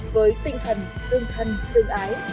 với tinh thần hương thân hương ái